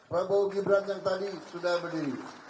prabowo gibran yang tadi sudah berdiri